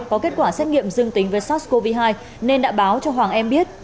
có kết quả xét nghiệm dương tính với sars cov hai nên đã báo cho hoàng em biết